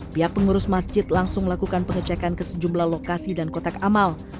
pihak pengurus masjid langsung melakukan pengecekan ke sejumlah lokasi dan kotak amal